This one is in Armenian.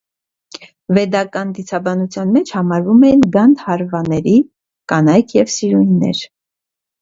Վեդական դիցաբանության մեջ համարվում էին գանդհարվաների կանայք և սիրուհիներ։